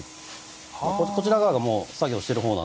こちら側がもう作業しているほうなんですけども。